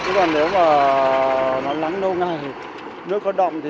nhưng mà nếu mà nó nắng lâu ngày nước có động thì